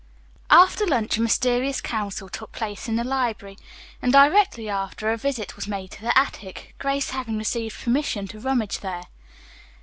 After lunch a mysterious council took place in the library, and directly after a visit was made to the attic, Grace having received permission to rummage there.